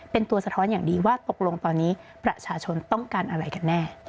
เป็นตัวสะท้อนอย่างดีว่าตกลงตอนนี้ประชาชนต้องการอะไรกันแน่